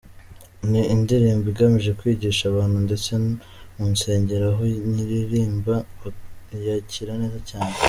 Ni indirimbo igamije kwigisha abantu ndetse mu nsengero aho nyiririmba bayakira neza cyane.